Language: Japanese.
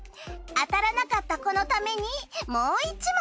当たらなかった子のためにもう１問。